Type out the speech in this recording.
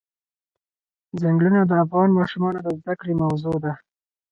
ځنګلونه د افغان ماشومانو د زده کړې موضوع ده.